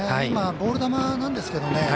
今、ボール球なんですけどね。